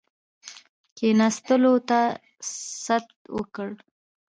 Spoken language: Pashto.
کښېنستلو ته ست وکړ.